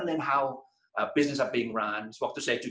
saya hanya belajar bagaimana mereka menghasilkan dapur